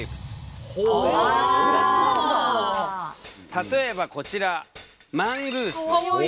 例えばこちらマングース。